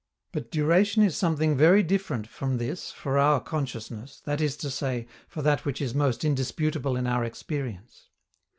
But duration is something very different from this for our consciousness, that is to say, for that which is most indisputable in our experience.